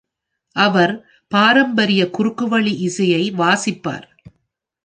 அவர் பாரம்பரிய குறுக்குவழி இசையை வாசிப்பார்.